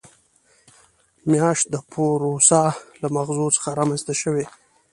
میاشت د پوروسا له مغزو څخه رامنځته شوې.